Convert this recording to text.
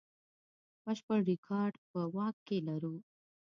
بشپړ ریکارډ په واک کې لرو.